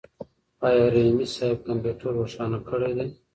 آیا رحیمي صیب کمپیوټر روښانه کړی دی؟